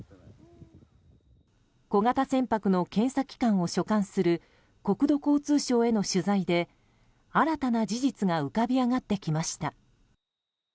小型船舶の検査機関を所管する国土交通省への取材で新たな事実が浮かび上がってきました。